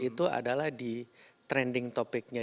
itu adalah di trending topicnya